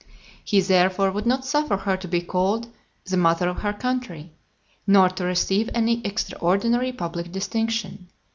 He, therefore, would not suffer her to be called "the Mother of her Country," nor to receive any extraordinary public distinction.